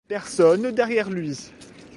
Personne derrière lui.